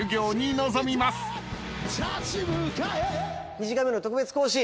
２時間目の特別講師